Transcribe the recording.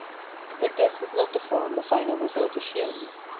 But this is not the form the final result assumes.